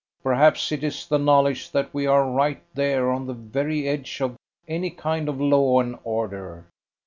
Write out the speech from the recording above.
Perhaps it is the knowledge that we are right there on the very edge of any kind of law and order.